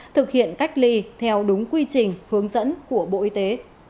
thực hiện cách ly theo đúng quy trình hướng dẫn của bộ y tế